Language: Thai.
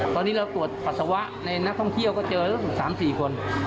ตอนนี้เราตรวจปัสสาวะในนักท่องเที่ยวก็เจอ๓๔คน